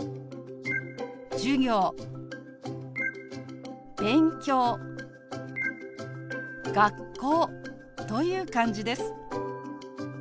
「授業」「勉強」「学校」という感じです。